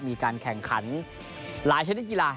มีการแข่งขันหลายชนิดกีฬา